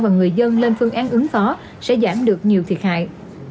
và người dân lên phương án ứng phó sẽ giảm được nhiều thiệt hại